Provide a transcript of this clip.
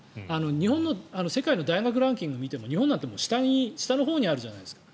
日本の世界の大学ランキングを見ても日本なんて下のほうにあるじゃないですか。